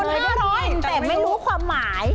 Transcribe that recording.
โจร๕๐๐แต่ไม่รู้ความหมาย